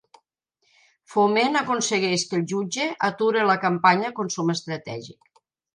Foment aconsegueix que el jutge ature la campanya Consum Estratègic